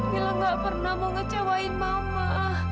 mila nggak pernah mau ngecewain mama